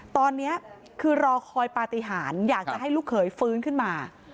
ตอนนี้คือรอคอยปฏิหารอยากจะให้ลูกเขยฟื้นขึ้นมา